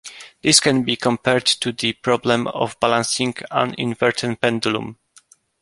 This can be compared to the problem of balancing an inverted pendulum.